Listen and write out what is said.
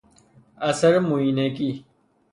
اثر مویینگی